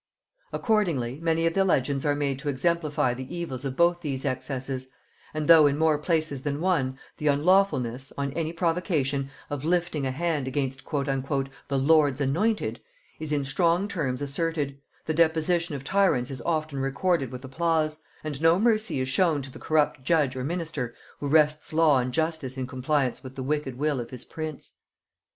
Accordingly, many of the legends are made to exemplify the evils of both these excesses; and though, in more places than one, the unlawfulness, on any provocation, of lifting a hand against "the Lord's anointed" is in strong terms asserted, the deposition of tyrants is often recorded with applause; and no mercy is shown to the corrupt judge or minister who wrests law and justice in compliance with the wicked will of his prince.